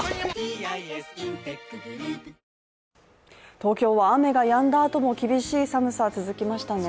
東京は雨がやんだあとも厳しい寒さ、続きましたね。